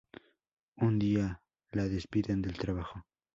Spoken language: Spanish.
Un día, la despiden del trabajo.